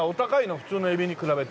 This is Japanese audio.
普通のエビに比べて。